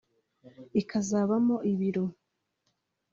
ikazabamo ibiro